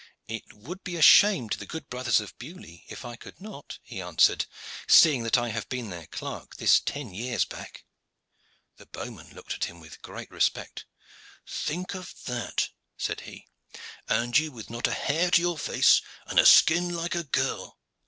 "It would be shame to the good brothers of Beaulieu if I could not," he answered, "seeing that I have been their clerk this ten years back." The bowman looked at him with great respect. "Think of that!" said he. "And you with not a hair to your face, and a skin like a girl.